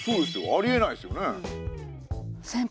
ありえないですよね。